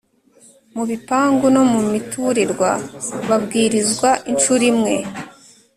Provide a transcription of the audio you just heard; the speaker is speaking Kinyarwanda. Mu bipangu no mu miturirwa babwirizwa i ncuro imwe